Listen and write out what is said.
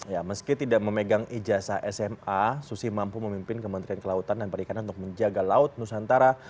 ya meski tidak memegang ijazah sma susi mampu memimpin kementerian kelautan dan perikanan untuk menjaga laut nusantara